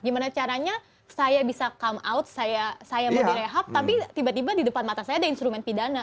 gimana caranya saya bisa come out saya mau direhab tapi tiba tiba di depan mata saya ada instrumen pidana